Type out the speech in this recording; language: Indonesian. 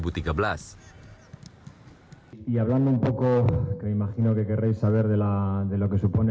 sebelum menceritakan tentang peristiwa ini